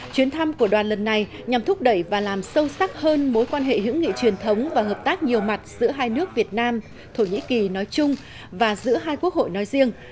chuyến thăm của đoàn lần này nhằm thúc đẩy và làm sâu sắc hơn mối quan hệ hữu nghị truyền thống và hợp tác nhiều mặt giữa hai nước việt nam thổ nhĩ kỳ nói chung và giữa hai quốc hội nói riêng